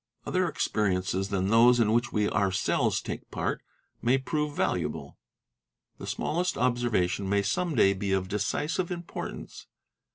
_ Other experiences than those in which we ourselves take part may prove valuable. The smallest observation may some day be of decisive importance.